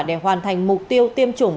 để hoàn thành mục tiêu tiêm chủng